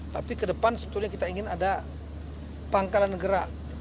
tapi ke depan sebetulnya kita ingin ada pangkalan gerak